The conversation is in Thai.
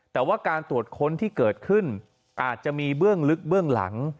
แต่ว่าการตรวจค้นที่เกิดขึ้นอาจจะมีเบื้องลึกเบื้องหลัง